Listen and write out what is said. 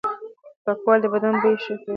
پاکوالي د بدن بوی ښه کوي.